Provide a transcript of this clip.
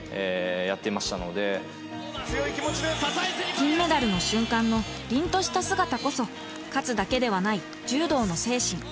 金メダルの瞬間のりんとした姿こそ勝つだけではない柔道の精神